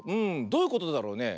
どういうことだろうね。